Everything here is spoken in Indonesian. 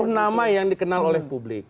empat puluh nama yang dikenal oleh publik